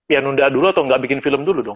ya nunda dulu atau nggak bikin film dulu dong